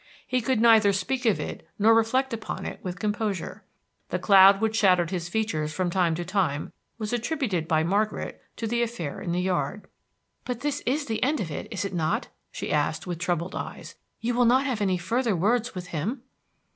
He could neither speak of it nor reflect upon it with composure. The cloud which shadowed his features from time to time was attributed by Margaret to the affair in the yard. "But this is the end of it, is it not?" she asked, with troubled eyes. "You will not have any further words with him?"